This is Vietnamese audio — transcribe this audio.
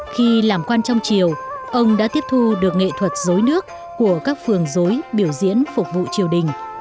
khi làm quan trong chiều ông đã tiếp thu được nghệ thuật dối nước của các phường dối biểu diễn phục vụ triều đình